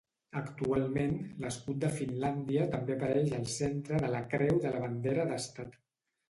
Actualment, l'escut de Finlàndia també apareix al centre de la creu de la bandera d'Estat.